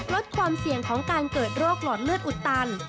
ลดความเสี่ยงของการเกิดโรคหลอดเลือดอุดตัน